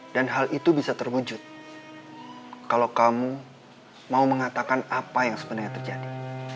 dan hal itu bisa terwujud kalau kamu mau mengatakan apa yang sebenarnya terjadi